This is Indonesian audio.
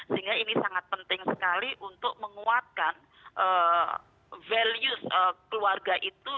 sehingga ini sangat penting sekali untuk menguatkan values keluarga itu